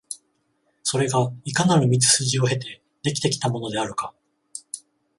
それがいかなる道筋を経て出来てきたものであるか、